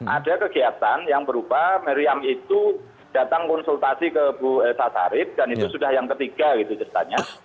ada kegiatan yang berupa meriam itu datang konsultasi ke bu elsa sarip dan itu sudah yang ketiga gitu ceritanya